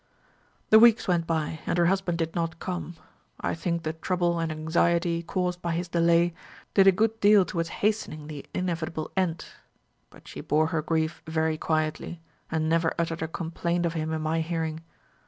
"The weeks went by, and her husband did not come. I think the trouble and anxiety caused by his delay did a good deal towards hastening the inevitable end; but she bore her grief very quietly, and never uttered a complaint of him in my hearing.